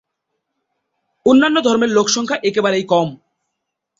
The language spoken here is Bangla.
অন্যান্য ধর্মের লোকসংখ্যা একেবারেই কম।